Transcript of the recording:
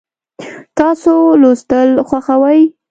تاسو لوستل خوښوئ؟